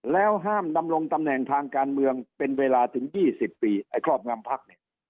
แล้วห้ามดำรงตำแหน่งทางการเมืองเป็นเวลาถึง๒๐ปีไอ้ครอบงำพักเนี่ย